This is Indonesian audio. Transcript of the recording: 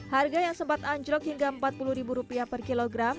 harga yang sempat anjlok hingga rp empat puluh per kilogram